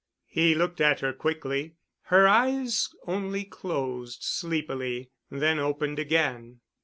He looked at her quickly. Her eyes only closed sleepily, then opened again.